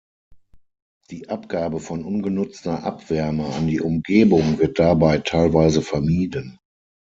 Die Abgabe von ungenutzter Abwärme an die Umgebung wird dabei teilweise vermieden.